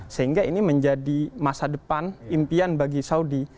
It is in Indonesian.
sehingga ini menjadi masa depan impian bagi saudi